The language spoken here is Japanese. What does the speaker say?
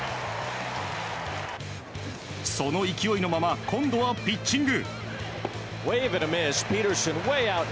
その勢いのまま今度はピッチング。